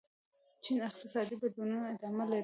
چین اقتصادي بدلونونه ادامه لري.